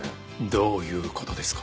どういう事ですか？